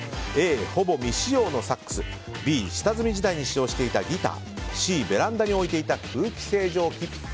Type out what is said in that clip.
Ａ、ほぼ未使用のサックスＢ、下積み時代に使用していたギターＣ、ベランダに置いていた空気清浄機。